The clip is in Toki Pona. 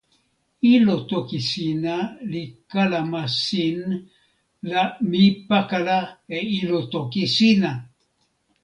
ilo toki sina li kalama sin la mi pakala e ilo toki sina.